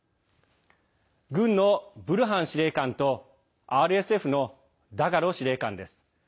軍のブルハン司令官とＲＳＦのダガロ司令官です。